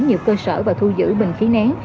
nhiều cơ sở và thu giữ bình khí nén